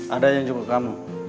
ada yang jumpa kamu